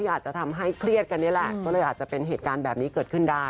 อาจจะทำให้เครียดกันนี่แหละก็เลยอาจจะเป็นเหตุการณ์แบบนี้เกิดขึ้นได้